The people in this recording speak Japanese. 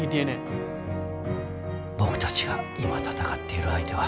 僕たちが今闘っている相手は。